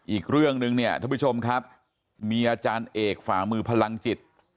อีกเรื่องนึงเนี่ยท่านผู้ชมครับมีอาจารย์เอกฝ่ามือพลังจิต